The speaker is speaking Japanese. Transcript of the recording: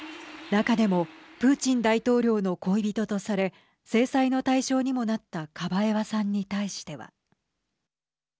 中でもプーチン大統領の恋人とされ制裁の対象にもなったカバエワさんに対しては。